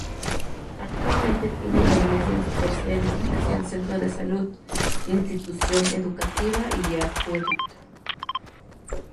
Actualmente tiene la Iglesia en su tercera edificación centro de Salud, institución Educativa, Acueducto.